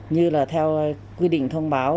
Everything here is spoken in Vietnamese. như là theo quy định thông báo